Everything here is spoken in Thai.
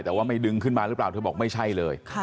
แต่ว่าไม่ดึงขึ้นมาหรือเปล่าเธอบอกไม่ใช่เลย